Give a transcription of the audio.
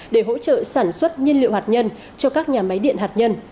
để hỗ trợ sản xuất nhiên liệu hạt nhân cho các nhà máy điện hạt nhân